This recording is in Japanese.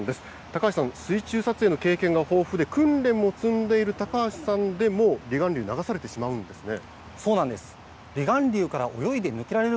高橋さん、水中撮影の経験が豊富で、訓練を積んでいる高橋さんでも、離岸流に流されてしまうんですね。